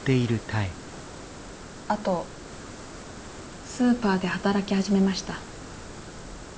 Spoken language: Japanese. あとスーパーで働き始めました。